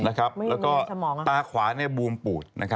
แล้วก็ตาขวาบวมปูด